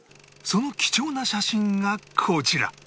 その貴重な写真がこちら